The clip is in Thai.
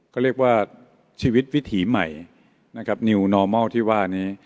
ก็เรียกว่าชีวิตวิถีใหม่นะครับที่ว่านี้